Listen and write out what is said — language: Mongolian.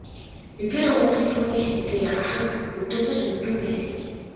Эдгээр өгүүлэл түүнийх гэдгийг ах нь ердөөсөө ч мэддэггүй байсан юм.